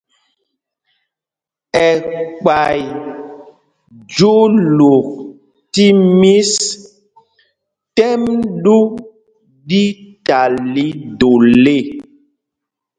Ɛkpay júlûk tí mís t́ɛ́m ɗū ɗí ta lii dol ê.